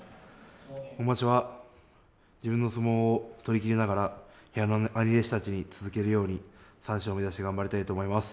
今場所は、自分の相撲を取りきりながら部屋の兄弟子たちに続けるように三賞を目指して頑張りたいと思います。